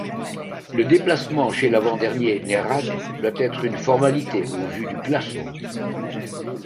Le déplacement chez l’avant-dernier Nérac, doit être une formalité au vu du classement.